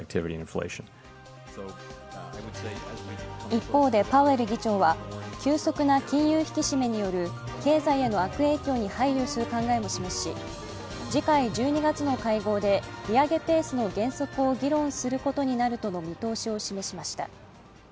一方でパウエル議長は急速な金融引き締めによる経済への悪影響に配慮する考えも示し次回１２月の会合で利上げペースの減速を議論することになるとの見通しを示しました。